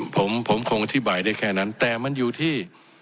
ผมคงอธิบายได้แค่นั้นแต่มันอยู่ที่